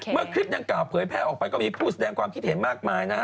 คลิปดังกล่าเผยแพร่ออกไปก็มีผู้แสดงความคิดเห็นมากมายนะ